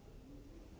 dia udah berangkat